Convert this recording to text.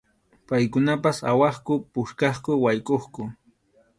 Paykunapas awaqku, puskaqku, waykʼuqku.